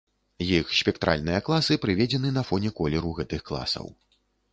Іх спектральныя класы прыведзены на фоне колеру гэтых класаў.